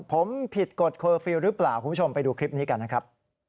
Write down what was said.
ผมผิดกฎเคอร์ฟิลล์หรือเปล่าคุณผู้ชมไปดูคลิปนี้กันนะครับ